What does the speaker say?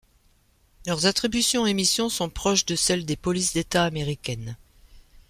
Leurs attributions et missions sont proches de celles des polices d'état américaines.